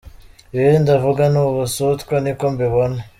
Ibindi uvuga ni ubusutwa niko mbibona.